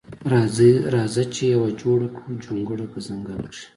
راځه چې یوه جوړه کړو جونګړه په ځنګل کښې